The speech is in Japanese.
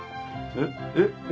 えっ？えっ？